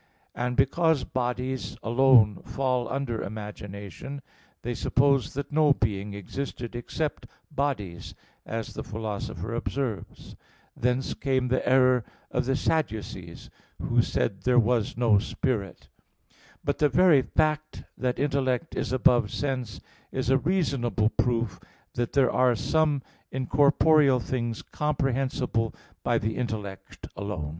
And because bodies alone fall under imagination, they supposed that no being existed except bodies, as the Philosopher observes (Phys. iv, text 52,57). Thence came the error of the Sadducees, who said there was no spirit (Acts 23:8). But the very fact that intellect is above sense is a reasonable proof that there are some incorporeal things comprehensible by the intellect alone.